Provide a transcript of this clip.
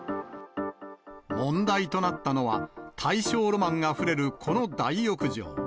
問題となったのは、大正ロマンあふれるこの大浴場。